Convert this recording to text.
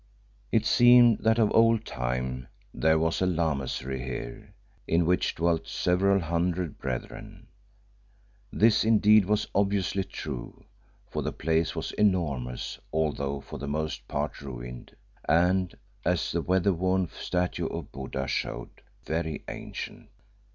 It seemed that of old time there was a Lamasery here, in which dwelt several hundred brethren. This, indeed, was obviously true, for the place was enormous, although for the most part ruined, and, as the weather worn statue of Buddha showed, very ancient.